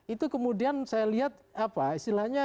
itu kemudian saya lihat apa istilahnya